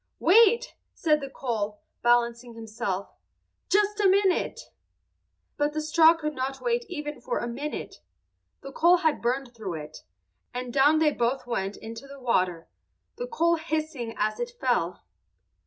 "Wait," said the coal, balancing himself. "Just a minute!" But the straw could not wait even for a minute. The coal had burned through it, and down they both went into the water, the coal hissing as it fell.